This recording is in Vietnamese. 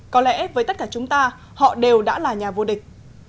có lẽ với tất cả chúng ta họ đều đã là nhà vô địch